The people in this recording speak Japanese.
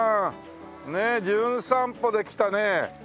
ねえ『じゅん散歩』で来たねえ